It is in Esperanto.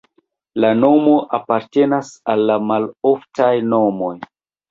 La nomo apartenas al la maloftaj nomoj.